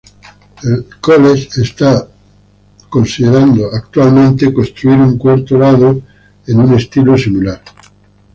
El college está actualmente considerando el construir un cuarto lado en un estilo similar.